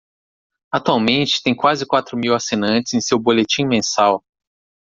Atualmente, tem quase quatro mil assinantes em seu boletim mensal.